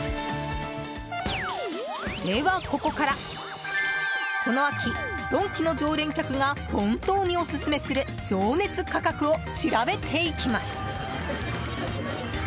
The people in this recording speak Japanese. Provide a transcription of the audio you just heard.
ではここからこの秋、ドンキの常連客が本当にオススメする情熱価格を調べていきます。